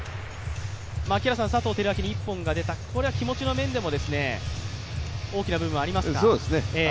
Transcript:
佐藤輝明に一本が出た、これは気持ちの面でも大きな面はありますか？